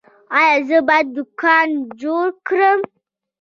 ایا زه باید دوکان جوړ کړم؟